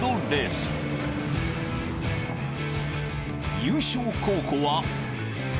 ［優勝候補は］